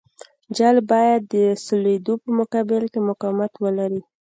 جغل باید د سولېدو په مقابل کې مقاومت ولري